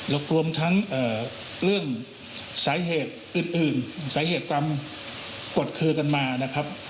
แล้วรวมทั้งเรื่องสาเหตุอื่นสาเหตุตามกดเคลือกันมานะครับ